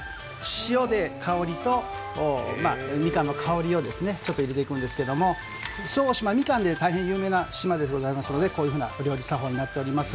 塩で香りと、みかんの香りをちょっと入れていくんですけど周防大島はみかんで大変有名な島でございますのでこういう料理作法になっております。